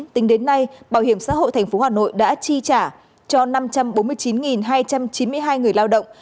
tính đến nay bảo hiểm xã hội tp hà nội đã chi trả cho năm trăm bốn mươi chín hai trăm chín mươi hai người lao động